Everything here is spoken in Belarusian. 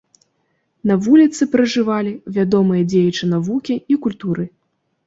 На вуліцы пражывалі вядомыя дзеячы навукі і культуры.